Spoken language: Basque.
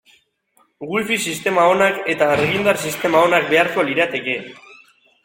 Wifi sistema onak eta argindar sistema onak beharko lirateke.